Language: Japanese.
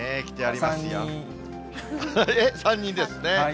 ３人ですね。